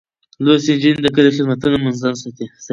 لوستې نجونې د کلي خدمتونه منظم ساتي.